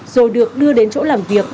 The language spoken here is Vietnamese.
rồi được đưa đến chỗ làm việc